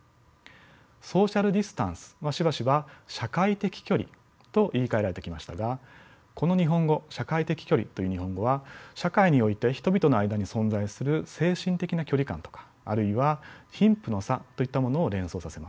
ソーシャルディスタンスはしばしば社会的距離と言いかえられてきましたがこの日本語社会的距離という日本語は社会において人々の間に存在する精神的な距離感とかあるいは貧富の差といったものを連想させます。